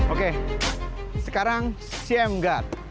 oke sekarang shame guard